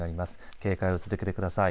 警戒を続けてください。